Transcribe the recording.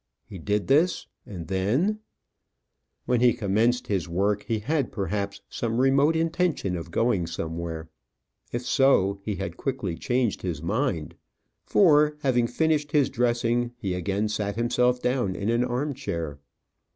He did this, and then When he commenced his work, he had, perhaps, some remote intention of going somewhere. If so, he had quickly changed his mind, for, having finished his dressing, he again sat himself down in an arm chair.